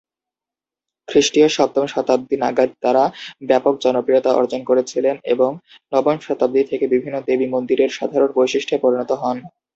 খ্রিষ্টীয় সপ্তম শতাব্দী নাগাদ তারা ব্যাপক জনপ্রিয়তা অর্জন করেছিলেন এবং নবম শতাব্দী থেকে বিভিন্ন দেবী মন্দিরের সাধারণ বৈশিষ্ট্যে পরিণত হন।